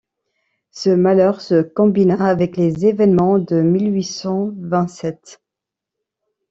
Ce malheur se combina avec les événements de mille huit cent vingt-sept.